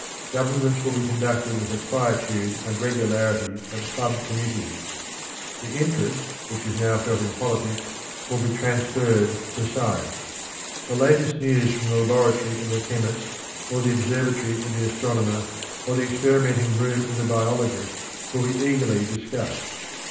Governments will be conducted with the quietude and regularity of club committees. The interest which is now felt in politics will be transferred to science; the latest news from the laboratory of the chemist, or the observatory of the astronomer, or the experimenting room of the biologist will be eagerly discussed.